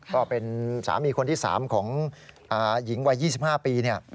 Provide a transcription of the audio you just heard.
ก็เป็นสามีคนที่๓ของหญิงวัย๒๕ปี